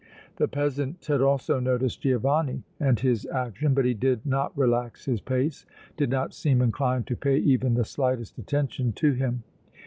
The peasant had also noticed Giovanni and his action, but he did not relax his pace, did not seem inclined to pay even the slightest attention to him.